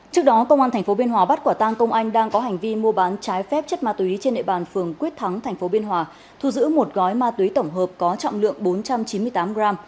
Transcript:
trước đó công an tp biên hòa bắt quả tang công anh đang có hành vi mua bán trái phép chất ma túy trên nệ bàn phường quyết thắng tp biên hòa thu giữ một gói ma túy tổng hợp có trọng lượng bốn trăm chín mươi tám gram